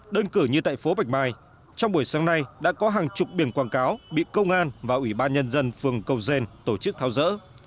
đơn cử như tại phố bạch mai trong buổi sáng nay đã có hàng chục biển quảng cáo bị công an và ủy ban nhân dân phường cầu gen tổ chức tháo rỡ